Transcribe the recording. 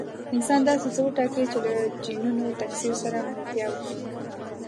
انسان داسې څه وټاکي چې له جینونو تکثیر سره ملتیا وکړي.